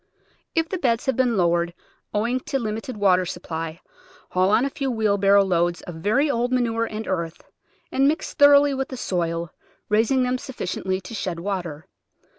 If the beds have been lowered owing to limited wa ter supply haul on a few wheel barrow loads of very old manure and earth, and mix thoroughly with die soil, raising them sufficiently to shed water.